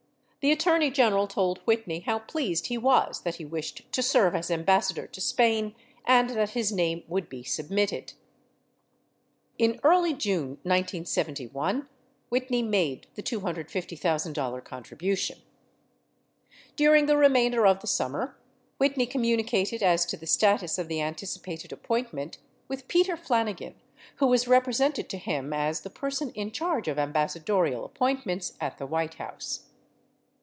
The Attorney General told Whitney how pleased he was that he wished to serve as Ambassador to Spain and that his name would be submitted. In early June 1971, Whitney made the $250,000 contribution. During the remainder of the summer, Whitney communicated as to the status of the anticipated appointment with Peter Flanigan who was repre sented to him as the person in charge of ambassadorial appointments at the White House.